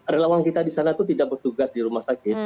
relawan kita di sana itu tidak bertugas di rumah sakit